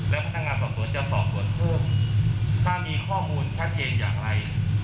และพนักงานสอบสวนจะสอบสวนเพิ่มถ้ามีข้อมูลชัดเจนอย่างไร